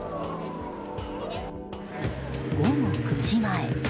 午後９時前。